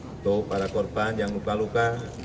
untuk para korban yang luka luka